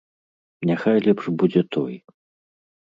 Няхай лепш будзе той.